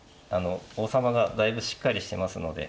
王様がだいぶしっかりしてますので。